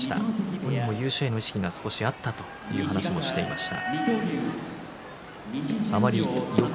本人も優勝への意識が少しあったという話をしていました。